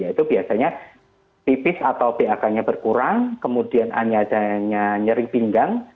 jadi ini biasanya tipis atau bak nya berkurang kemudian anjadanya nyering pinggang